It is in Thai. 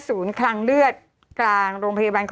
โอเคโอเคโอเค